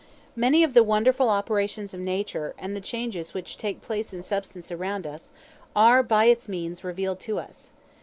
Many of the wonderful operations of Nature, and the changes which take place in substances around us, are, by its means, revealed to us.